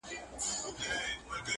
لعنتي د بنده گانو او بادار سوم؛